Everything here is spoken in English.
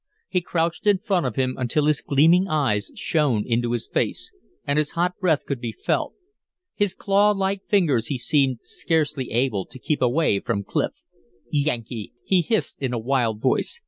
He crouched in front of him until his gleaming eyes shone into his face, and his hot breath could be felt. His claw like fingers he seemed scarcely able to keep away from Clif. "Yankee!" he hissed, in a wild voice.